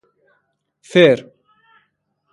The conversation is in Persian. فر